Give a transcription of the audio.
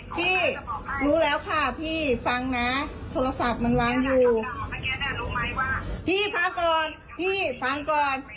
พี่ฟังก่อนพี่ฟังก่อนพี่ฟังก่อนฟังก่อนฟังก่อนฟังฟังฟัง